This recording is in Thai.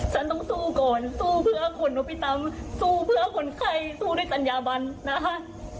ฉันต้องสู้ก่อนสู้เพื่อคนัมสู้เพื่อคนไข้สู้ด้วยจัญญาบันนะคะ